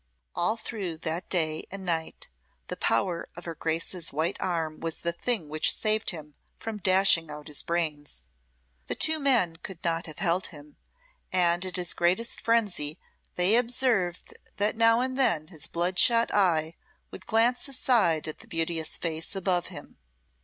All through that day and night the power of her Grace's white arm was the thing which saved him from dashing out his brains. The two men could not have held him, and at his greatest frenzy they observed that now and then his bloodshot eye would glance aside at the beauteous face above him.